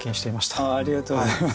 ありがとうございます。